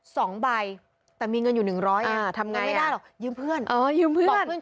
สองใบแต่มีเงินอยู่หนึ่งร้อยอ่าทำงานไม่ได้หรอกยืมเพื่อนเออยืมเพื่อนบอกเพื่อน